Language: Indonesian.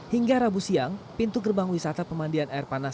hingga rabu siang pintu gerbang wisata pemandian air panas